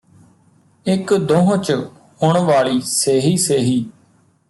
ਇਕ ਦੋਂਹ ਚ ਹੁਣ ਵਾਲੀ ਸੇਹੀ ਸੇਹੀ